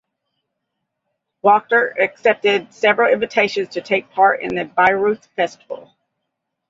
Wachter accepted several invitations to take part in the Bayreuth Festival.